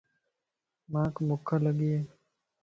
مانک بُکَ لڳي ائي